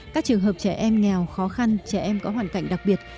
các trường hợp trẻ em nghèo khó khăn trẻ em có hoàn cảnh đặc biệt